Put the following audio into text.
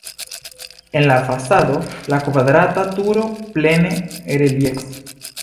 En la fasado la kvadrata turo plene reliefas.